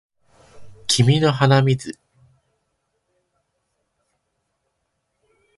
君の鼻水